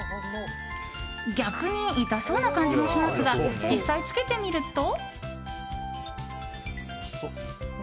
逆に痛そうな感じもしますが実際着けてみると。